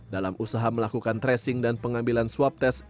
dalam usaha melakukan tracing dan pengambilan swab test